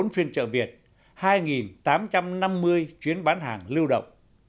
hai trăm bốn mươi bốn phiên trợ việt hai tám trăm năm mươi chuyến bán hàng lưu động